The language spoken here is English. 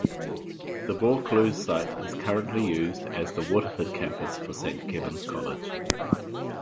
The Vaucluse site is currently used as the Waterford campus for Saint Kevin's College.